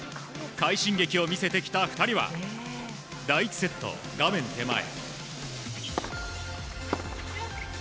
快進撃を見せてきた２人は第１セット、画面手前。